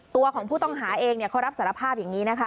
ตัวของผู้ต้องหาเองเขารับสารภาพอย่างนี้นะคะ